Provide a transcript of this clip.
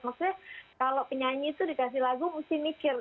maksudnya kalau penyanyi itu dikasih lagu mesti mikir